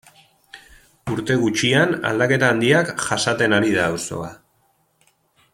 Urte gutxian aldaketa handiak jasaten ari da auzoa.